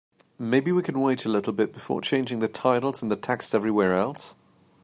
Maybe we can wait a little bit before changing the titles and the text everywhere else?